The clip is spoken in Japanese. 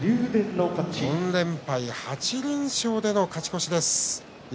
４連敗８連勝での勝ち越し竜